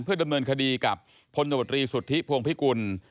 เพื่อดำเนินคดีกับพลตบริสุทธิพวงภิกุล